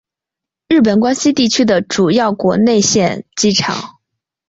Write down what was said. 日本关西地区的主要国内线机场。